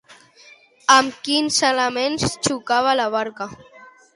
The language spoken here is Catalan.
Amb quins elements xocava la barca?